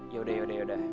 yaudah yaudah yaudah